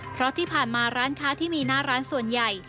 เพราะที่ผ่านมาร้านค้าที่มีหน้าร้านส่วนใหญ่